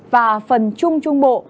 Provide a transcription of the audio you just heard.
và phần trung trung bộ